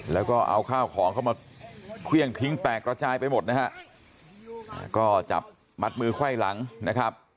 แล้วก็เอาข้าวของเข้ามาเครื่องทิ้งแตกระจายไปหมดนะฮะก็จับมัดมือไขว้หลังนะครับ